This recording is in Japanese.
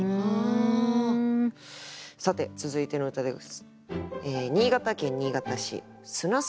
さて続いての歌です。